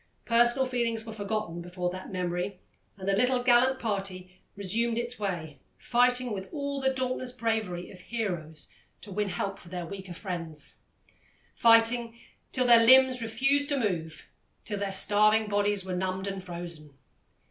Personal feelings were forgotten before that memory, and the gallant little party resumed its way, fighting with all the dauntless bravery of heroes to win help for their weaker friends fighting till their limbs refused to move, till their starving bodies were numbed and frozen.